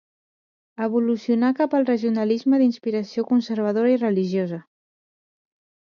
Evolucionà cap al regionalisme d'inspiració conservadora i religiosa.